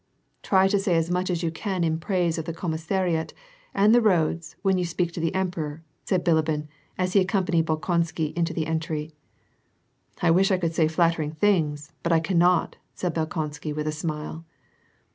" Try to say as much as you can in praise of the commissa riat and the roads, when you speak to the emperor," said Bili bin, as he accompanied Bolkonsky into the entry. " I wish I could say flattering things, but I cannot," said Bolkonsky with a smile.